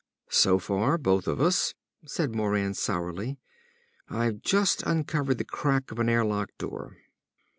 _" "So far, both of us," said Moran sourly. "I've just uncovered the crack of an airlock door."